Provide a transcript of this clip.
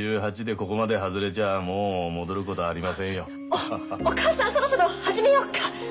おお母さんそろそろ始めよっか。ね？